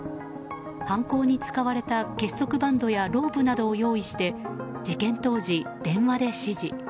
犯行に使われた結束バンドやロープなどを用意して事件当時、電話で指示。